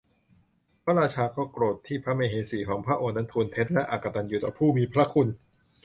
พระราชาก็โกรธที่พระมเหสีของพระองค์นั้นทูลเท็จและอกตัญญูต่อผู้มีพระคุณ